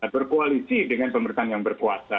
berkoalisi dengan pemerintahan yang berkuasa